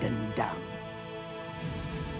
dendam si jamal ke saya